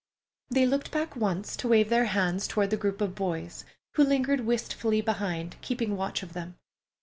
They looked back once to wave their hands toward the group of boys who lingered wistfully behind, keeping watch of them.